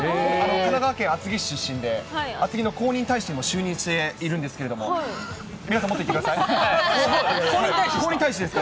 神奈川県厚木市出身で、厚木の公認大使にも就任しているんですけれども、皆さん、もっと言ってください。に対して。